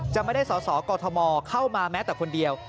จะไม่ได้สอสอกอทมเข้ามาแม้แต่คนเดียว